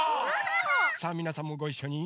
さあみなさんもごいっしょに！